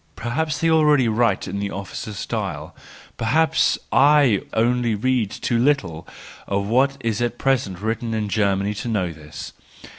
Perhaps they already write in the oflficers , style; perhaps I only read too little of what is at present written in Germany to know this.